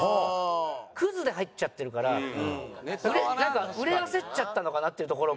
クズで入っちゃってるから売れ焦っちゃったのかな？っていうところも。